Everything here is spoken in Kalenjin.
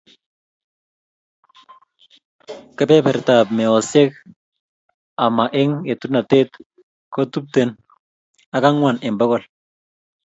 Kbebertab meosyek ama eng etunatet ko tuptem ak ang'wan eng pokol.